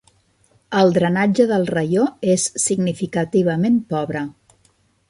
El drenatge del raió és significativament pobre.